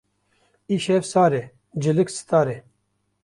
Îşev sar e, cilik sitar e.